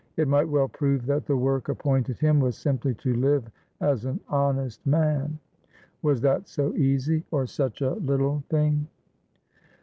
It might well prove that the work appointed him was simply to live as an honest man. Was that so easy, or such a little thing?